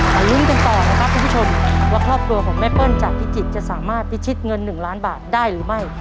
ลุ้นกันต่อนะครับคุณผู้ชมว่าครอบครัวของแม่เปิ้ลจากพิจิตรจะสามารถพิชิตเงิน๑ล้านบาทได้หรือไม่